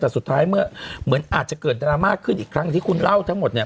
แต่สุดท้ายเมื่อเหมือนอาจจะเกิดดราม่าขึ้นอีกครั้งอย่างที่คุณเล่าทั้งหมดเนี่ย